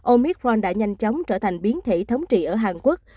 omicron đã nhanh chóng trở thành biến thể thống trị ở hàn quốc